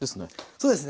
そうですね。